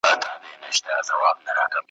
چي د تل لپاره ,